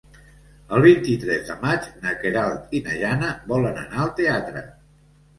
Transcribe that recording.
El vint-i-tres de maig na Queralt i na Jana volen anar al teatre.